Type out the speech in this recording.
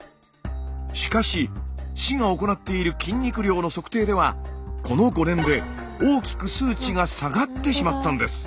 しかし市が行っている筋肉量の測定ではこの５年で大きく数値が下がってしまったんです。